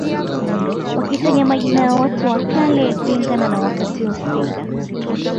Wakitaja majina ya watu wa kale kulingana na wakati husika